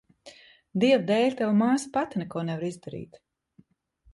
Dieva dēļ, tava māsa pati neko nevar izdarīt.